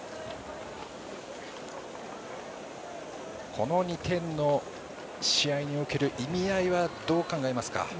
この２点の試合における意味合いはどう考えますか。